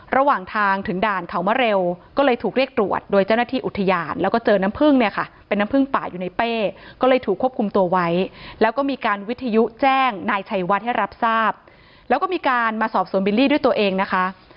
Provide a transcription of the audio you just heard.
ระหว่างทางถึงด่านเขามาเร็วก็เลยถูกเรียกตรวจโดยเจ้าหน้าที่อุทยานแล้วก็เจอน้ำพึ่งเนี่ยค่ะเป็นน้ำพึ่งป่าอยู่ในเป้ก็เลยถูกควบคุมตัวไว้แล้วก็มีการวิทยุแจ้งนายชัยวัดให้รับทราบแล้วก็มีการมาสอบสวนบิลลี่ด้วยตัวเองนะคะ